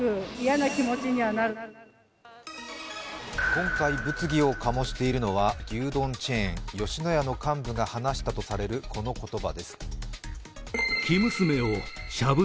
今回、物議を醸しているのは牛丼チェーン、吉野家の幹部が話したとされる、この言葉です。